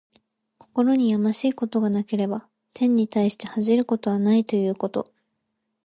心にやましいことがなければ、天に対して恥じることはないということ。